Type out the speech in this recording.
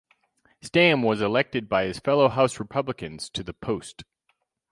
Stam was elected by his fellow House Republicans to the post.